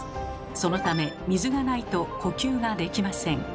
そのため水がないと呼吸ができません。